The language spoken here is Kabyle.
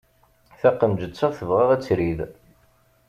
Taqemǧet-a tebɣa ad trid.